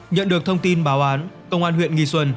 nhận được thông tin báo án công an huyện nghi xuân